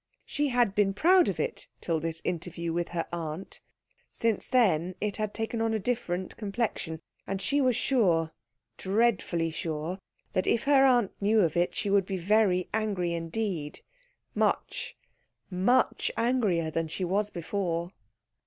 She had been proud of it till this interview with her aunt; since then it had taken on a different complexion, and she was sure, dreadfully sure, that if her aunt knew of it she would be very angry indeed much, much angrier than she was before.